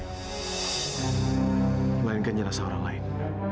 melainkan jenazah orang lain